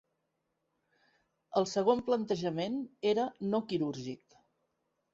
El segon plantejament era no quirúrgic.